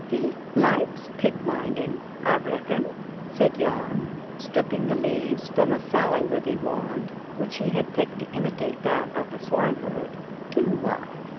"Thee likes pig minding, I reckon?" said Jan, stripping the leaves from a sallywithy wand, which he had picked to imitate that of the swineherd. "Do I?"